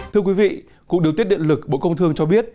thưa quý vị cục điều tiết điện lực bộ công thương cho biết